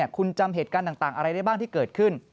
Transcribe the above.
คุณจำเหตุการณ์ต่างอะไรได้บ้างที่เกิดขึ้น